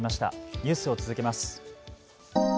ニュースを続けます。